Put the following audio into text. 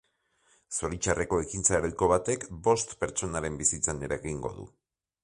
Zoritxarreko ekintza heroiko batek bost pertsonaren bizitzan eragingo du.